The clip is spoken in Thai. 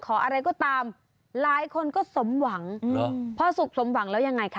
อะไรก็ตามหลายคนก็สมหวังพอสุขสมหวังแล้วยังไงคะ